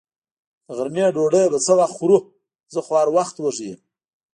د غرمې ډوډۍ به څه وخت خورو؟ زه خو هر وخت وږې یم.